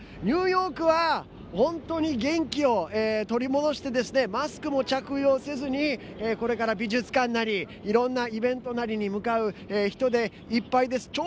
ニューヨークは本当に元気を取り戻してマスクも着用せずにこれから美術館なりいろんなイベントなりに向かう人でいっぱいです。